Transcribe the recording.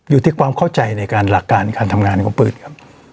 อยู่ที่ความเข้าใจในการหลักการการทำงานของปืนครับ